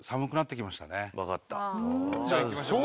じゃあいきましょう。